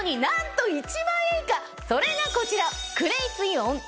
それがこちら。